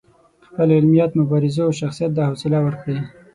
خپل علمیت، مبارزو او شخصیت دا حوصله ورکړې.